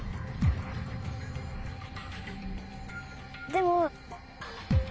でも。